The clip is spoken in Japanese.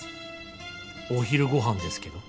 お昼ご飯ですけど。